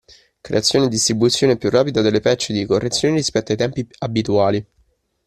Creazione e distribuzione più rapida delle patch di correzione rispetto ai tempi abituali.